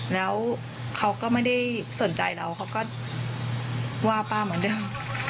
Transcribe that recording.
แล้วเขาก็ไม่ได้สนใจเราเขาก็ว่าป้าเหมือนเดิม